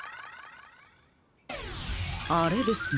あれですね。